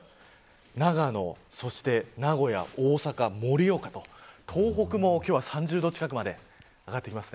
長野、名古屋、大阪、盛岡と東北も今日は３０度近くまで上がってきます。